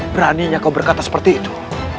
beraninya kau berkata seperti itu